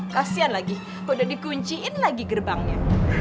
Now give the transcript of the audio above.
kasian lagi udah dikunciin lagi gerbangnya